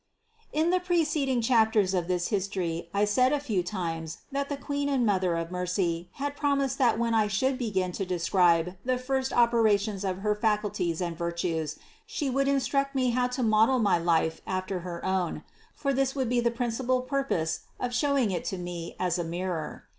238. In the preceding chapters of this history I said a few times that the Queen and Mother of mercy had promised that when I should begin to describe the first operations of her faculties and virtues She would in struct me how to model my life after her own ; for this would be the principal purpose of showing it to me as in a mirror.